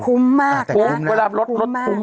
แต่คุ้มมากนะคุ้มมาก